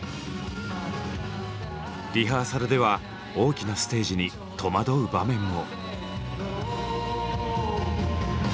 リハーサルでは大きなステージに戸惑う場面も。